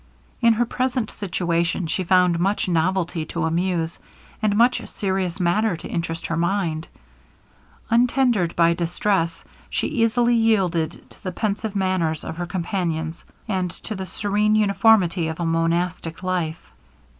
In her present situation she found much novelty to amuse, and much serious matter to interest her mind. Entendered by distress, she easily yielded to the pensive manners of her companions and to the serene uniformity of a monastic life.